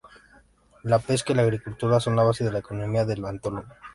La pesca y la agricultura son la base de la economía del atolón.